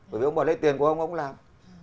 bởi vì ông bảo lấy tiền của ông ông cũng làm